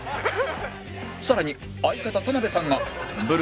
さらに相方田辺さんがブル